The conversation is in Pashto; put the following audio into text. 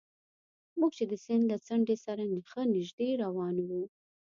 موږ چې د سیند له څنډې سره ښه نژدې روان وو.